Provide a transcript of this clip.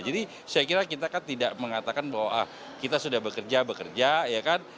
jadi saya kira kita kan tidak mengatakan bahwa kita sudah bekerja bekerja ya kan